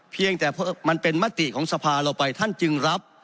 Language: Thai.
เพียงแต่มันเป็นมติของสภาเราไปท่านจึงรับ